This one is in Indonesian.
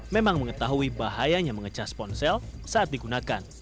memang mengetahui bahayanya mengecas ponsel saat digunakan